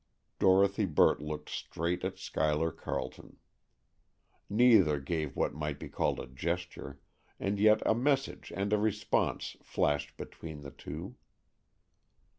Dorothy Burt looked straight at Schuyler Carleton. Neither gave what might be called a gesture, and yet a message and a response flashed between the two.